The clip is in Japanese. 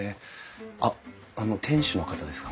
あっあの店主の方ですか？